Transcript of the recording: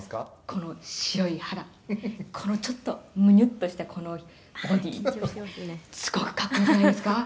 「この白い肌このちょっとムニュッとしたこのボディーすごく格好良くないですか？」